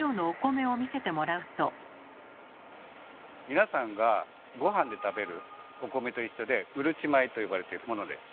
皆さんがごはんで食べるお米と一緒で「うるち米」と呼ばれてるものです。